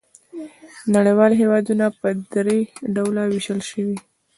نړیوال هېوادونه په درې ډولونو وېشل شوي.